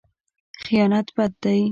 خیانت بد دی.